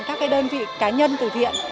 các đơn vị cá nhân tù thiện